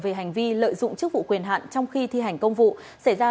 về hành vi lợi dụng chức vụ quyền hạn trong khi thi hành công vụ xảy ra